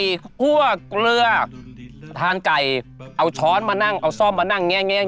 ไก่คั่วกเหลือทานไก่เอาช้อนมานั่งเอาซ่อมมานั่งเนี้ยเนี้ย